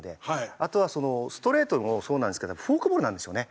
あとはストレートもそうなんですけどフォークボールなんですよね。